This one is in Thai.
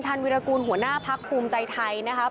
วิรากูลหัวหน้าพักภูมิใจไทยนะครับ